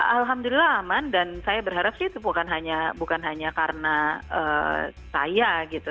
alhamdulillah aman dan saya berharap sih itu bukan hanya karena saya gitu